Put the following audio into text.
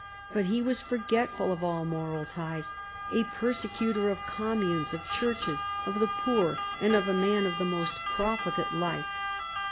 But he was forgetful of all moral ties, a persecutor of communes, of churches, of the poor, and a man of the most profligate life.